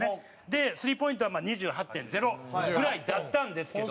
スリーポイントは２８．０ぐらいだったんですけども。